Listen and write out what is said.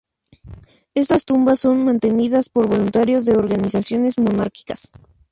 Estas tumbas son mantenidas por voluntarios de organizaciones monárquicas.